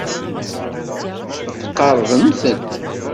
Tqerrbemt-d.